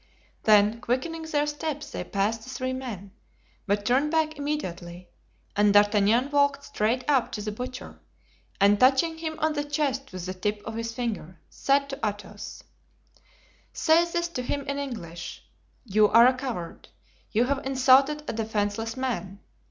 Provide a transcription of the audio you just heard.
Then quickening their steps they passed the three men, but turned back immediately, and D'Artagnan walked straight up to the butcher and touching him on the chest with the tip of his finger, said to Athos: "Say this to him in English: 'You are a coward. You have insulted a defenseless man.